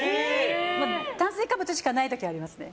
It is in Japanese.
炭水化物しかない時ありますね。